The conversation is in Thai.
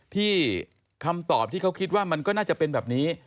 ที่คำตอบที่เขาคิดว่ามันก็น่าจะเป็นแบบนี้